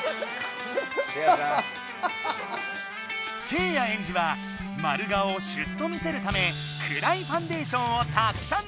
せいやエンジは丸顔をシュッと見せるためくらいファンデーションをたくさんぬった。